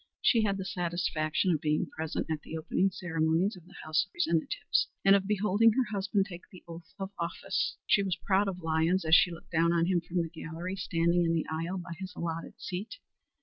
She had the satisfaction of being present at the opening ceremonies of the House of Representatives, and of beholding her husband take the oath of office. She was proud of Lyons as she looked down on him from the gallery standing in the aisle by his allotted seat.